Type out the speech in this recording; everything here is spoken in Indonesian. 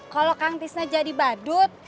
kalau kang tisna jadi badut